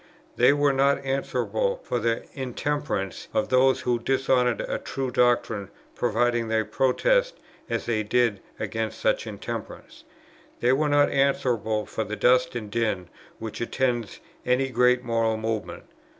They were not answerable for the intemperance of those who dishonoured a true doctrine, provided they protested, as they did, against such intemperance. "They were not answerable for the dust and din which attends any great moral movement.